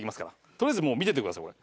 とりあえずもう見ててくださいこれ。